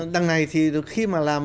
đằng này thì khi mà làm